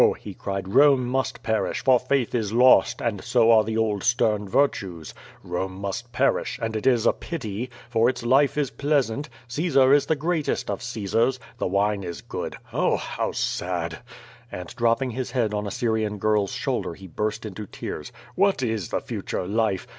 he cried, "Rome must perish, for faith is lost, and so are th9 old stem virtues. Rome must perish, and it is a pity, for its life is pleasant, Caesar is the greatest of Caesars^ the wine yo Q^O VADI8. is good! Oh, how sad!" And dropping his head on a Syrian girl's shoulder he burst into tears. "What is the future life?